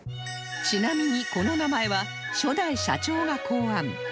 ちなみにこの名前は初代社長が考案